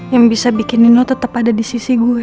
yang bisa bikin nino tetap ada di sisi gue